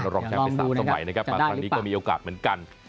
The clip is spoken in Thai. รองแชมป์ไป๓สมัยนะครับมาครั้งนี้ก็มีโอกาสเหมือนกัน